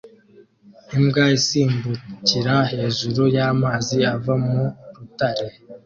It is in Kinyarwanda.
Imbwa isimbukira hejuru y'amazi ava mu rutare